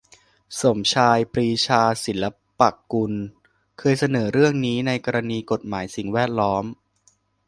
สมชาย ปรีชาศิลปกุล เคยเสนอเรื่องนี้ในกรณีกฎหมายสิ่งแวดล้อม